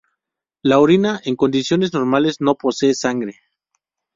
La orina en condiciones normales no posee sangre.